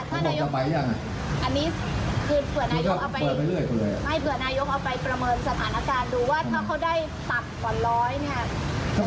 ดูว่าถ้าเค้าได้ตัดกว่าว่า๑๐๐